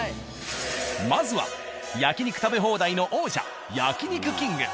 まずは焼肉食べ放題の王者「焼肉きんぐ」。